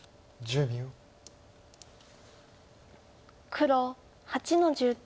黒８の十九。